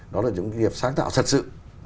đó là những doanh nghiệp sáng tạo thật sự